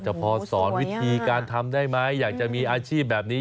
แต่พอสอนวิธีการทำได้ไหมอยากจะมีอาชีพแบบนี้